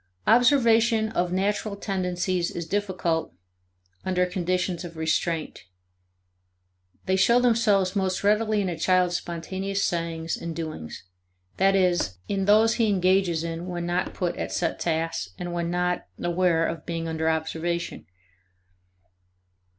1 Observation of natural tendencies is difficult under conditions of restraint. They show themselves most readily in a child's spontaneous sayings and doings, that is, in those he engages in when not put at set tasks and when not aware of being under observation.